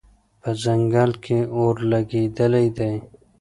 په ځنګل کې اور لګېدلی دی